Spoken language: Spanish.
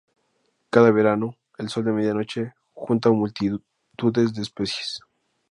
Cada verano, el sol de medianoche junta multitudes de especies.